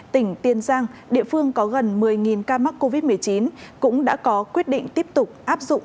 tỉnh tiền giang địa phương có gần một mươi ca mắc covid một mươi chín cũng đã có quyết định tiếp tục áp dụng